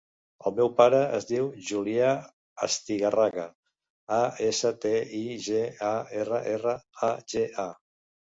El meu pare es diu Julià Astigarraga: a, essa, te, i, ge, a, erra, erra, a, ge, a.